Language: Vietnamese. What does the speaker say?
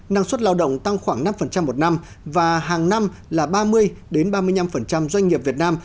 năng suất lao động tăng khoảng năm một năm và hàng năm là ba mươi ba mươi năm doanh nghiệp việt nam